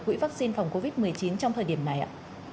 quỹ vaccine phòng covid một mươi chín trong thời điểm này ạ